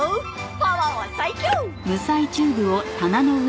パワーは最強！